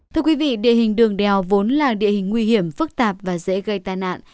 thưa quý vị địa hình đường đèo vốn là địa hình nguy hiểm phức tạp và dễ gây tai nạn